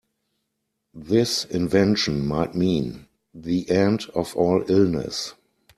This invention might mean the end of all illness.